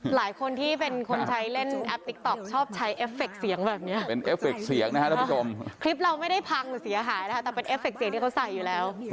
หลายคนที่เป็นคนใช้เล่นแอปติ๊กต๊อกชอบใช้เอฟเฟคเสียงแบบนี้เป็นเอฟเฟคเสียงนะฮะท่านผู้ชมคลิปเราไม่ได้พังหรือเสียหายนะคะแต่เป็นเอฟเคเสียงที่เขาใส่อยู่แล้ว